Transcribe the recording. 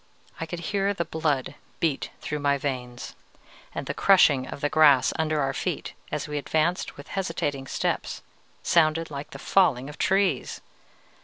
I could hear the blood beat through my veins; and the crushing of the grass under our feet as we advanced with hesitating steps sounded like the falling of trees.